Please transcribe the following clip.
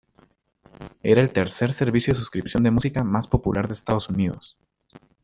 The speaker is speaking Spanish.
Era el tercer servicio de suscripción de música más popular de Estados Unidos.